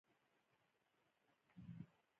هیلۍ د خپلوانو سره همکاره ده